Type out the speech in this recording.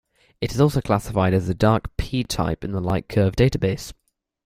It is also classified as a dark P-type in the "Lightcurve Data Base".